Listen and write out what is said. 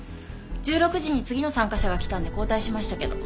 １６時に次の参加者が来たんで交代しましたけど。